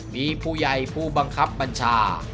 มีผู้ใหญ่ผู้บังคับบัญชา